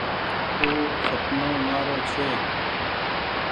او سپنو مآرو ڇي۔